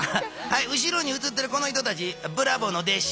後ろにうつってるこの人たちブラボーの弟子。